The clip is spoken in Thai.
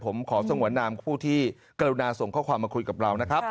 ผมขอสงวนนามผู้ที่กรุณาส่งข้อความมาคุยกับเรานะครับ